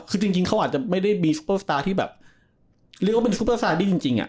คือจริงเขาอาจจะไม่ได้บีซูเปอร์สตาร์ที่แบบเรียกว่าเป็นซูเปอร์สตาร์ดี้จริง